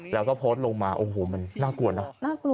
แล้วก็โพสต์ลงมาโอ้โหมันน่ากลัวนะ